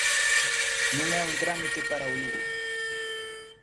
Non é un trámite para o Lugo.